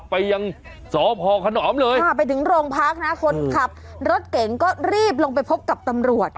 ไปถึงโรงพักนะคนขับรถเก่งก็รีบลงไปพบกับตำรวจ